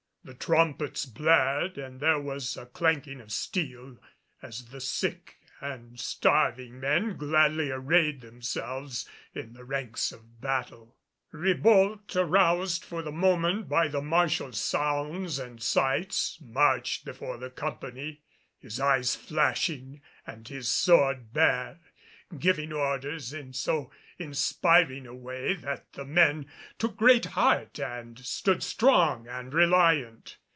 The trumpets blared and there was a clanking of steel as the sick and starving men gladly arrayed themselves in the ranks of battle. Ribault, aroused for the moment by the martial sounds and sights, marched before the company, his eyes flashing and his sword bare, giving orders in so inspiring a way that the men took great heart and stood strong and reliant.